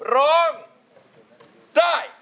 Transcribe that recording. ร้องได้